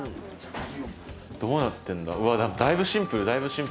どうなってんだ？